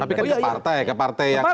tapi kan di partai ya ke partai yang ada